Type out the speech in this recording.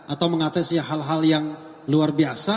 atau mengatasi hal hal yang luar biasa